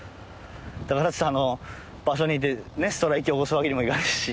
だからっつってあの場所に行ってねストライキを起こすわけにもいかないし。